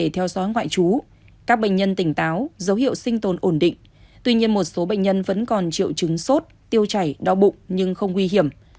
tuy nhiên một số bệnh nhân vẫn còn triệu chứng sốt tiêu chảy đau bụng nhưng không nguy hiểm